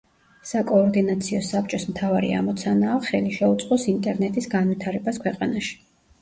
საკოორდინაციო საბჭოს მთავარი ამოცანაა, ხელი შეუწყოს ინტერნეტის განვითარებას ქვეყანაში.